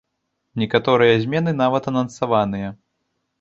Некаторыя змены нават анансаваныя.